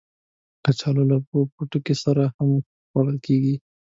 کچالو له پوټکي سره هم خوړل کېږي